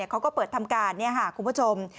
เขาก็เปิดทำการคุณผู้ชม